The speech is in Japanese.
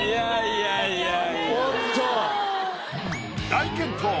大健闘！